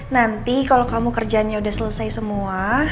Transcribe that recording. nanti kalau kamu kerjanya udah selesai semua